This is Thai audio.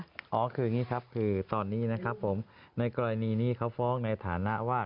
อ๋อคืออย่างนี้ครับคือตอนนี้นะครับผมในกรณีนี้เขาฟ้องในฐานะว่า